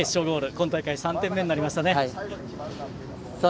今大会、３点目になりましたね。